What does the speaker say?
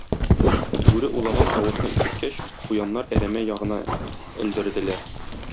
Бүре улаган тавышны ишеткәч, куяннар әрәмә ягына элдерделәр.